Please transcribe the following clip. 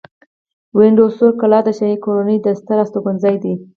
وینډسور کلا د شاهي کورنۍ ستر استوګنځی دی.